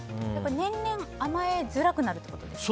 年々甘えづらくなるってことですか？